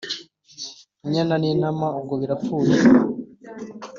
inyana n’intama ubwo birapfuye